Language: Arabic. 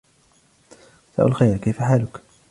مساء الخير ، كيف حالك ؟